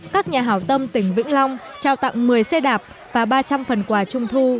các nhà hảo tâm tỉnh vĩnh long trao tặng một mươi xe đạp và ba trăm linh phần quà trung thu